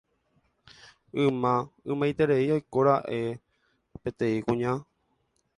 Yma, ymaiterei oikóraka'e peteĩ kuña